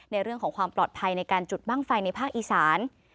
ในเรื่องของความปลอดภัยในการจุดบ้างไฟในภาคอีสาน